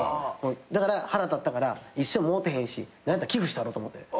だから腹立ったから一銭ももろうてへんし何やったら寄付したろと思うて。